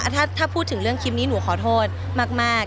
ถ้าพูดถึงเรื่องคลิปนี้หนูขอโทษมาก